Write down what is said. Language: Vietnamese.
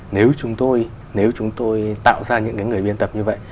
nếu chúng tôi tạo ra những cái người biên tập như vậy